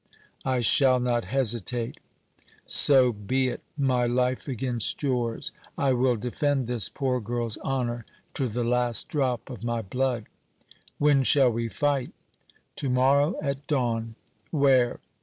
"I shall not hesitate!" "So be it! My life against yours! I will defend this poor girl's honor to the last drop of my blood!" "When shall we fight?" "To morrow at dawn." "Where?"